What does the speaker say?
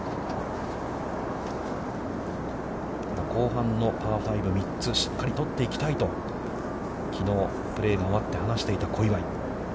後半のパー５３つしっかり取っていきたいときのう、プレーが終わってから話していた小祝。